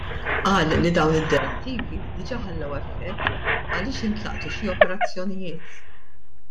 Qal li dawn id-direttivi diġa' ħallew effett għaliex intlaqtu xi operazzjonijiet.